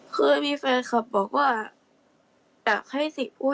คือมีแฟนคลับบอกว่าดับให้สิพูดเยอะ